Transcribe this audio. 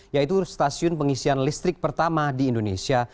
yaitu stasiun pengisian listrik pertama di indonesia